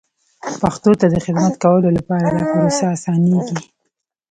پښتو ته د خدمت کولو لپاره دا پروسه اسانېږي.